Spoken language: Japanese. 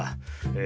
え